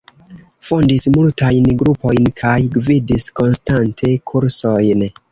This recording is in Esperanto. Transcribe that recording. Fondis multajn grupojn kaj gvidis konstante kursojn.